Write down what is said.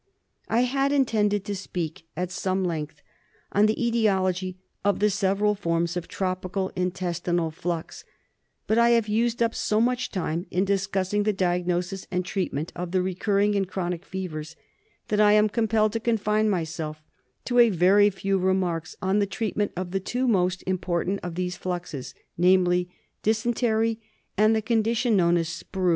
I had intended to speak at some length on the etiology' of the several forms of tropical intestinal flux ; but I have used up so much time in discussing the diagnosis and treatment of the recurring and chronic fevers, that I am compelled to confine myself to a very few remarks on the treatment of the two most important of these fluxes, namely. Dysentery and the condition known as Sprue.